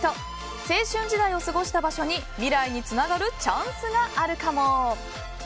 青春時代を過ごした場所に未来につながるチャンスがあるかも。